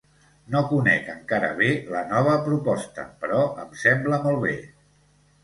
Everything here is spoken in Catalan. No conec encara bé la nova proposta, però em sembla molt bé.